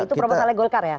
itu pramod saleh golkar ya